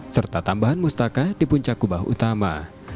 serta tambahan mustaka di puncak kubah utama